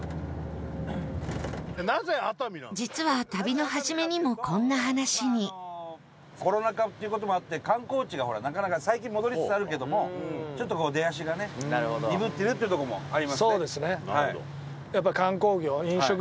実は、旅の初めにもこんな話にコロナ禍っていう事もあって観光地が、なかなか最近、戻りつつあるけどもちょっと出足がね鈍ってるっていうとこもありますね。